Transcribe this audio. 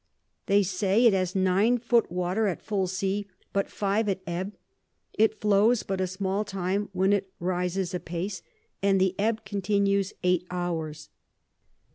They say it has 9 foot water at full Sea, and but 5 at Ebb: It flows but a small time, when it rises apace, and the Ebb continues 8 hours.